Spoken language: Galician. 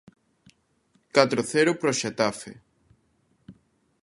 Catro cero pro Xetafe.